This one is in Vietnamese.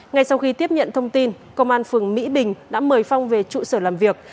ngay sau khi tiếp nhận thông tin công an phường mỹ bình đã mời phong về trụ sở làm việc